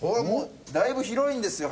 だいぶ広いんですよ